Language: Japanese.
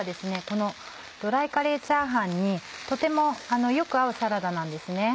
このドライカレーチャーハンにとてもよく合うサラダなんですね。